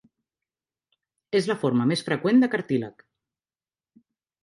És la forma més freqüent de cartílag.